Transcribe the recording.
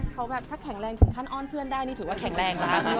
เขาแบบถ้าแข็งแรงถึงขั้นอ้อนเพื่อนได้นี่ถือว่าแข็งแรงแล้ว